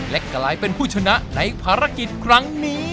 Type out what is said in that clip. และกลายเป็นผู้ชนะในภารกิจครั้งนี้